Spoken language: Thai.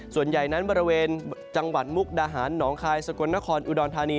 ส่วนใหญ่นั้นบริเวณจังหวัดมุกดาหารหนองคายสกลนครอุดรธานี